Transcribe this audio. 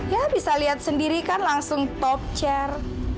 ya bisa lihat sendiri kan langsung top chair